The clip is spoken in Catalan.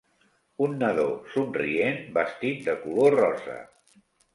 Un nadó somrient vestit de color rosa.